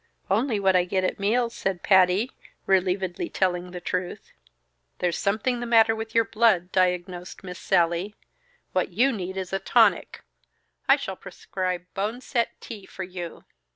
"Only what I get at meals," said Patty, relievedly telling the truth. "There's something the matter with your blood," diagnosed Miss Sallie. "What you need is a tonic. I shall prescribe boneset tea for you."